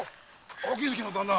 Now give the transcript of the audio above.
秋月の旦那。